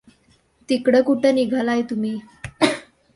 तिकडं कुठं निघालाय तुम्ही?